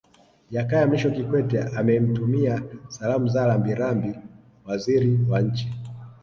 Jakaya Mrisho Kikwete amemtumia Salamu za Rambirambi Waziri wa Nchi